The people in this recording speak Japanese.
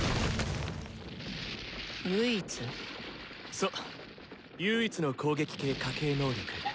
そう「唯一」の攻撃系家系能力。